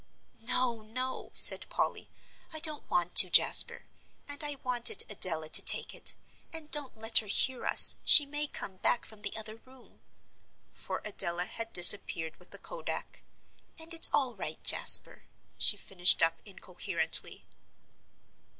"No, no," said Polly, "I don't want to, Jasper, and I wanted Adela to take it, and don't let her hear us, she may come back from the other room;" for Adela had disappeared with the kodak; "and it's all right, Jasper," she finished up incoherently.